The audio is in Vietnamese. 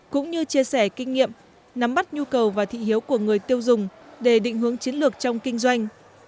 cũng như chia sẻ kinh nghiệm nắm bắt nhu cầu và thị hiếu của người tiêu dùng để định hướng chiến lược trong kinh doanh